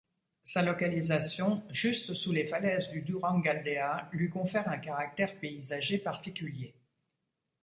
Sa localisation, juste sous les falaises du Durangaldea, lui confère un caractère paysager particulier.